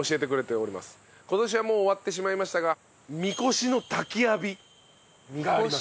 今年はもう終わってしまいましたがみこしの滝浴びがあります。